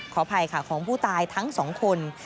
อภัยค่ะของผู้ตายทั้งสองคน